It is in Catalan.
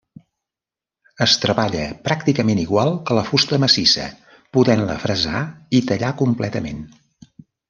Es treballa pràcticament igual que la fusta massissa, podent-la fresar i tallar completament.